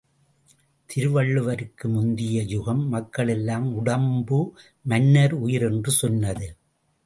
திருவள்ளுவருக்கு முந்திய யுகம், மக்களெல்லாம் உடம்பு மன்னன் உயிர் என்று சொன்னது.